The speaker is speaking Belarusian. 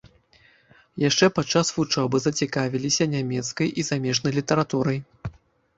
Яшчэ падчас вучобы зацікавіліся нямецкай і замежнай літаратурай.